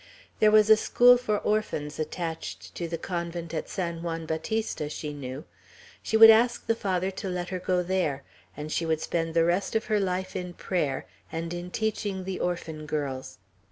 There was a school for orphans attached to the convent at San Juan Bautista, she knew; she would ask the Father to let her go there, and she would spend the rest of her life in prayer, and in teaching the orphan girls.